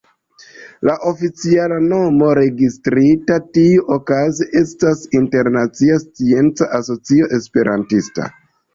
La oficiala nomo, registrita tiuokaze estas Internacia Scienca Asocio Esperantista.